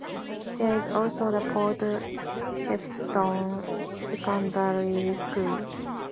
There is also the Port Shepstone Secondary School.